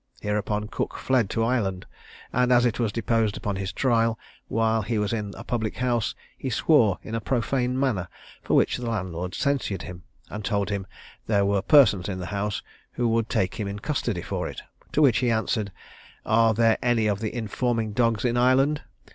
Hereupon Cook fled to Ireland, and, as it was deposed upon his trial, while he was in a public house, he swore in a profane manner, for which the landlord censured him, and told him there were persons in the house who would take him in custody for it; to which he answered, "Are there any of the informing dogs in Ireland?